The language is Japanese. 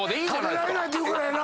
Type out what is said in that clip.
食べられないって言うからやなぁ。